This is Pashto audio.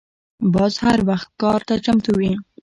باز هر وخت ښکار ته چمتو وي